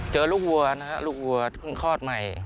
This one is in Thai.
เจอลูกวัวนะฮะลูกวัวเพิ่งคลอดใหม่